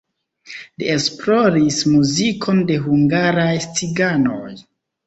Li esploris muzikon de hungaraj ciganoj.